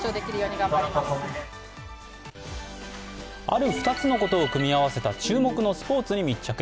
ある２つのことを組み合わせた注目のスポーツに密着。